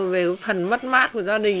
về phần mất mát của gia đình